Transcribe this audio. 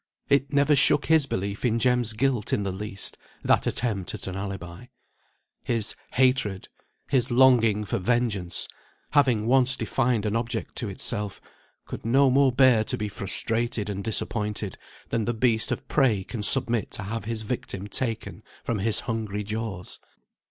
It never shook his belief in Jem's guilt in the least, that attempt at an alibi; his hatred, his longing for vengeance, having once defined an object to itself, could no more bear to be frustrated and disappointed than the beast of prey can submit to have his victim taken from his hungry jaws.